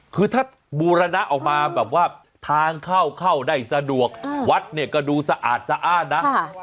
คือถ้าบูรณะออกมาแบบว่าทางเข้าเข้าได้สะดวกวัดเนี่ยก็ดูสะอาดสะอ้านนะ